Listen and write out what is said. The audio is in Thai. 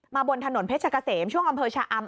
บนถนนเพชรกะเสมช่วงอำเภอชะอำ